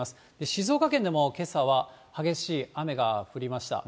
静岡県でもけさは激しい雨が降りました。